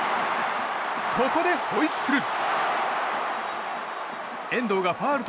ここでホイッスル。